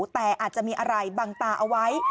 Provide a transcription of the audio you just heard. แต่อาจจะมีอะไรบังตาเอาไว้